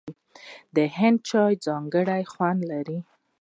د هند چای ځانګړی خوند لري.